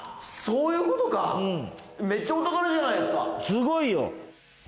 すごいよ！